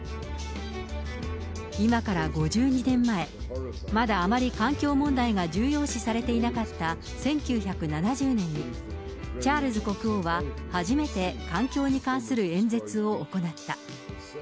今から５２年前、まだあまり環境問題が重要視されていなかった１９７０年に、チャールズ国王は、初めて環境に関する演説を行った。